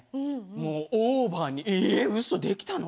もうオーバーに「えうそできたの？